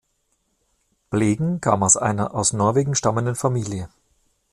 Blegen kam aus einer aus Norwegen stammenden Familie.